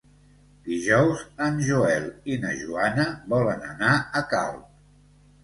Dijous en Joel i na Joana volen anar a Calp.